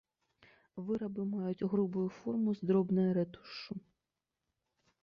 Вырабы маюць грубую форму з дробнай рэтушшу.